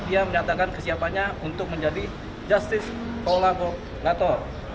dia menyatakan kesiapannya untuk menjadi justice kolaborator